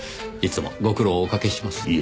いつもご苦労をおかけします。